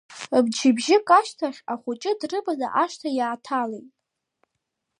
Мчыбжьык ашьҭахь, ахәыҷы дрыманы ашҭа иааҭалеит.